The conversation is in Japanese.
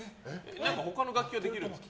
他の楽器はできるんですか？